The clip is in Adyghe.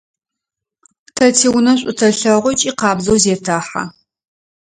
Тэ тиунэ шӏу тэлъэгъу ыкӏи къабзэу зетэхьэ.